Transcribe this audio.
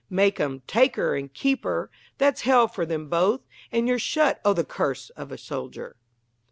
Make 'im take 'er and keep 'er; that's hell for them both, And you're shut o' the curse of a soldier.